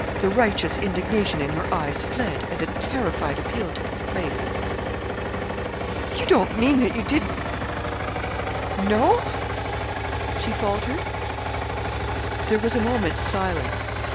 The righteous indignation in her eyes fled, and a terrified appeal took its place. "You don't mean that you didn't know?" she faltered. There was a moment's silence.